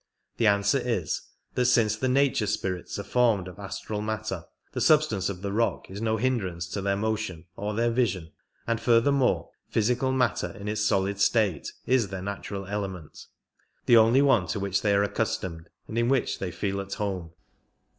The answer is that since the nature spirits are formed of astral matter, the substance of the rock is no hindrance to their motion or their vision, and furthermore physical matter in its solid state is their natural element — the only one to which they are accustomed and in which they feel at home.